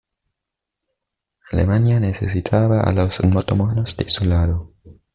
Alemania necesitaba a los otomanos de su lado.